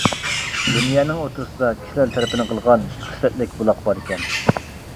لىنىيەنىڭ ئوتتۇرىسىدا كىشىلەر تەرىپىنى قىلغان خىسلەتلىك بۇلاق باركەن.